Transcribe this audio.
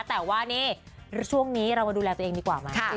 แต่ว่านี่ช่วงนี้เรามาดูแลตัวเองดีกว่าไหม